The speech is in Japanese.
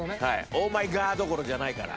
オーマイガどころじゃないから。